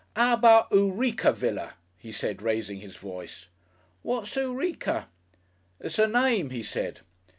"'Ow about Eureka Villa?" he said, raising his voice. "What's Eureka?" "It's a name," he said.